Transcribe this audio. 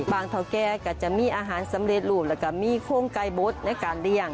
เท่าแก่ก็จะมีอาหารสำเร็จรูปแล้วก็มีโครงไก่บดในการเลี่ยง